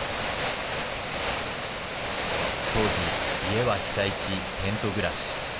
当時、家は被災し、テント暮らし。